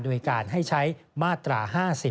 โดยการให้ใช้มาตรา๕๐